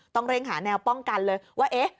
ต้องเร่งหาแนวป้องกันเลยว่า